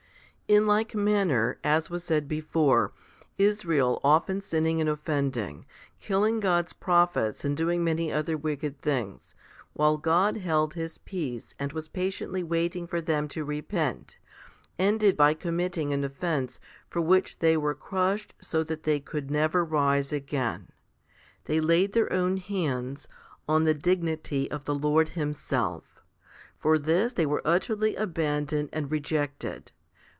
23. In like manner, as was said before, Israel, often sin ning and offending, killing God's prophets and doing many other wicked things, while God held His peace and was patiently waiting for them to repent, ended by committing an offence for which they were crushed so that they could never rise again. They laid their own hands on the dignity of the Lord Himself. For this they were utterly abandoned and rejected.